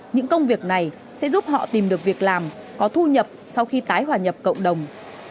những công việc này sẽ giúp họ tìm được việc làm có thu nhập sau khi tái hòa nhập cộng đồng